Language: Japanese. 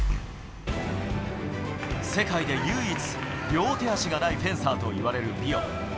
世界で唯一、両手足がないフェンサーといわれるビオ。